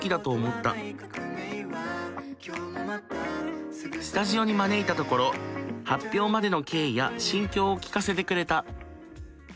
一方でスタジオに招いたところ発表までの経緯や心境を聞かせてくれた。